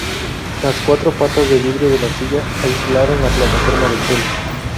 Las cuatro patas de vidrio de la silla aislaron la plataforma del suelo.